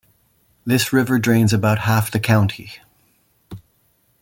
This river drains about half the county.